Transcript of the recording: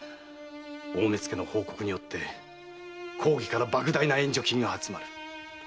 大目付の報告によって公儀から莫大な援助金が集まる。